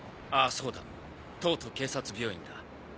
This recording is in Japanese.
そうだ東都警察病院だ。